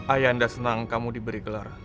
ayah anda senang kamu diberi gelar